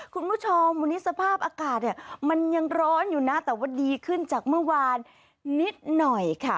คุณผู้ชมวันนี้สภาพอากาศเนี่ยมันยังร้อนอยู่นะแต่ว่าดีขึ้นจากเมื่อวานนิดหน่อยค่ะ